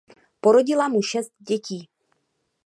Porodila mu šest dětí.